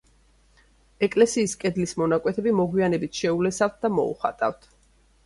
ეკლესიის კედლის მონაკვეთები მოგვიანებით შეულესავთ და მოუხატავთ.